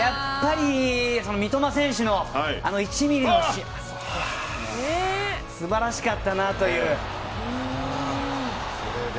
三笘選手の１ｍｍのシーン素晴らしかったなという。